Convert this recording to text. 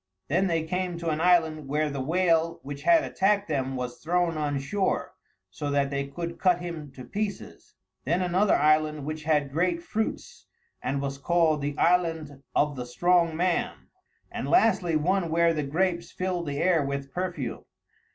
Then they came to an island where the whale which had attacked them was thrown on shore, so that they could cut him to pieces; then another island which had great fruits, and was called The Island of the Strong Man; and lastly one where the grapes filled the air with perfume.